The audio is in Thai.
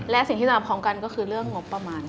และสิ่งที่เราพร้อมกันก็คือเรื่องงบประมาณ